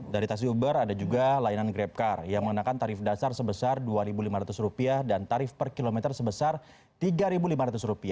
dari tasyuber ada juga layanan grabcar yang mengenakan tarif dasar sebesar rp dua lima ratus dan tarif per kilometer sebesar rp tiga lima ratus